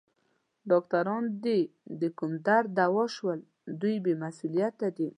ډاکټران دي د کوم درد دوا شول؟ دوی بې مسؤلیته دي.